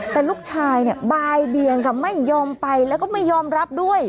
แต่ลูกชายเนี่ยบายเบียงค่ะไม่ยอมไปแล้วก็ไม่ยอมรับด้วย